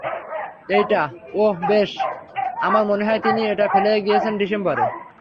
এইটা ওহ বেশ, আমার মনে হয় তিনি এটা ফেলে গিয়েছেন ডিসেম্বরে?